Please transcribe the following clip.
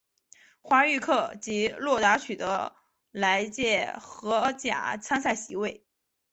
华域克及洛达取得来届荷甲参赛席位。